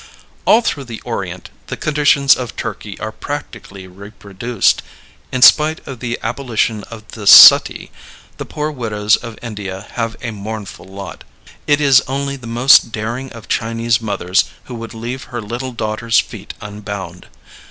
All through the Orient the conditions of Turkey are practically reproduced. In spite of the abolition of the suttee, the poor widows of India have a mournful lot. It is only the most daring of Chinese mothers who would leave her little daughter's feet unbound.